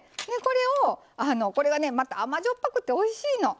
これがねまた甘じょっぱくておいしいの！